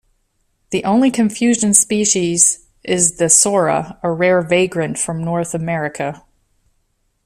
The only confusion species is the sora, a rare vagrant from North America.